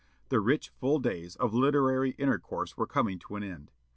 The rich, full days of literary intercourse were coming to an end.